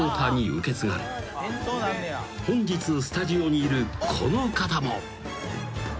［本日スタジオにいるこの方も］